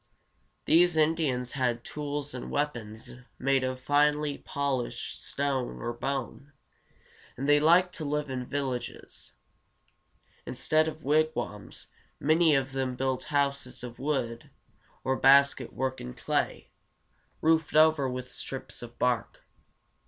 These Indians had tools and weapons made of finely polished stone or bone, and they liked to live in villages. Instead of wigwams, many of them built houses of wood, or basket work and clay, roofed over with strips of bark.